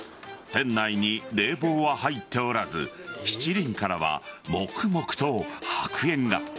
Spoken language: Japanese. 店内に冷房は入っておらず七輪からはもくもくと白煙が。